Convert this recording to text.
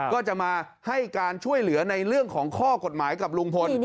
ก็จะมาให้การช่วยเหลือในเรื่องของข้อกฎหมายกับลุงพล